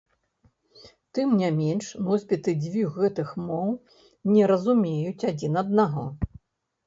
Тым не менш носьбіты дзвюх гэтых моў не разумеюць адзін аднаго.